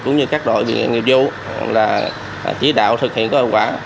cũng như các đội nghiệp vụ là chỉ đạo thực hiện có hiệu quả